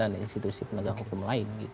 dan juga institusi penegak hukum lain